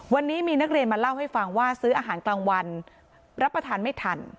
วันนี้มีนักเรียนมาเล่าให้ฟังว่าซื้ออาหารกลางวันรับประทานไม่ทัน